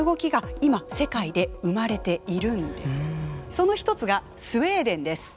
その一つがスウェーデンです。